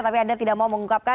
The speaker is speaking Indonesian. tapi anda tidak mau mengungkapkan